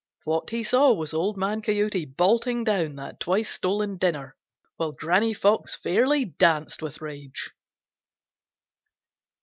What he saw was Old Man Coyote bolting down that twice stolen dinner while Granny Fox fairly danced with rage.